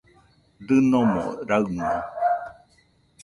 Dɨnomo raɨno